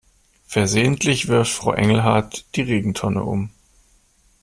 Versehentlich wirft Frau Engelhart die Regentonne um.